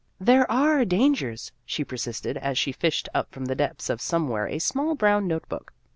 " There are dangers," she persisted, as she fished up from the depths of some where a small brown note book.